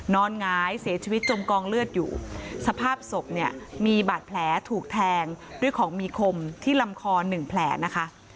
หงายเสียชีวิตจมกองเลือดอยู่สภาพศพเนี่ยมีบาดแผลถูกแทงด้วยของมีคมที่ลำคอหนึ่งแผลนะคะ